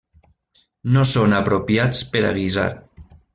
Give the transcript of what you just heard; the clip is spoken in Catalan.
No són apropiats per a guisar.